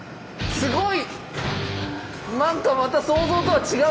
すごい。